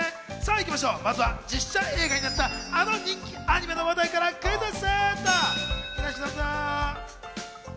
まずは実写映画になった、あの人気アニメの話題からクイズッス！